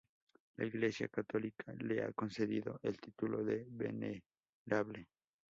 La Iglesia católica le ha concedido el título de "Venerable".